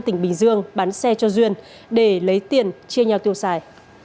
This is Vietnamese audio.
tỉnh bình dương bán xe cho duyên để lấy tiền chia nhau tiêu xài